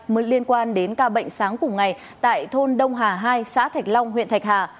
mới liên quan đến ca bệnh sáng cùng ngày tại thôn đông hà hai xã thạch long huyện thạch hà